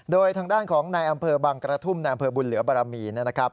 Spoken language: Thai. โดยทางด้านของนายอำเภอบังกระทุ่มในอำเภอบุญเหลือบารมีนะครับ